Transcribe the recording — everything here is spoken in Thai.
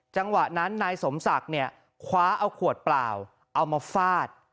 จังหวะนั้นนายสมศักดิ์เนี่ยคว้าเอาขวดเปล่าเอามาฟาด